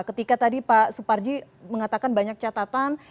ketika tadi pak suparji mengatakan banyak catatan